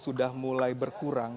sudah mulai berkurang